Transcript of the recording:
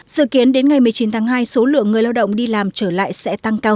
dự kiến đến ngày một mươi chín tháng hai số lượng người lao động đi làm trở lại sẽ tăng cao